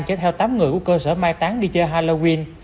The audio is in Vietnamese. chở theo tám người của cơ sở mai tán đi chơi halloween